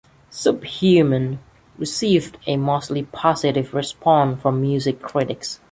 "Subhuman" received a mostly positive response from music critics.